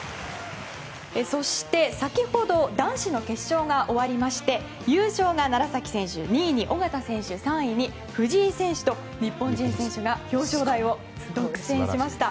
そして、先ほど男子の決勝が終わりまして優勝が楢崎選手２位に緒方選手３位に藤井選手と日本人選手が表彰台を独占しました。